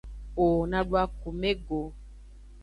O na du akume go.